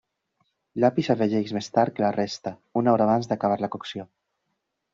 L'api s'afegeix més tard que la resta, una hora abans d'acabar la cocció.